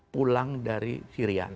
pulang dari syria